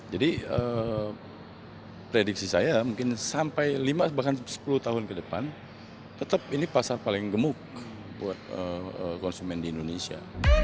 jadi prediksi saya mungkin sampai lima bahkan sepuluh tahun ke depan tetap ini pasar paling gemuk buat konsumen di indonesia